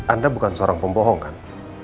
anda bukan seorang pembohongan